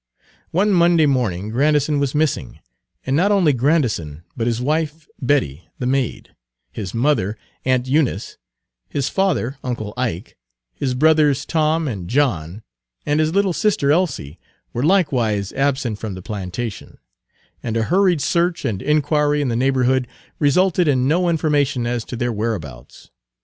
One Monday morning Grandison was missing. And not only Grandison, but his wife, Betty the maid; his mother, aunt Eunice; his father, uncle Ike; his brothers, Tom and John, and his little sister Elsie, were likewise absent from the plantation; Page 201 and a hurried search and inquiry in the neighborhood resulted in no information as to their whereabouts.